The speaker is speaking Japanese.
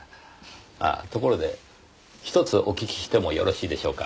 ああところでひとつお聞きしてもよろしいでしょうか？